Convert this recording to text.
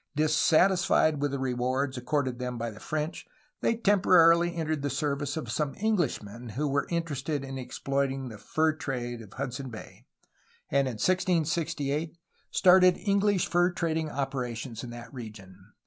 Dissatisfied with the rewards accorded them by the French, they temporarily entered the service of some Englishmen who were interested in exploiting the fur trade of Hudson Bay, and in 1668 started English fur trading operations in that region.